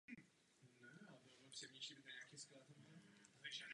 Ale pokračování současného systému je skutečně nepřijatelné.